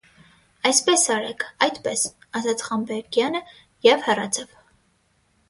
- Այսպես արեք, այդպես,- ասաց Խանբեգյանը և հեռացավ: